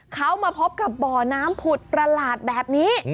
เขามาพบกับบ่อน้ำผุดประหลาดแบบนี้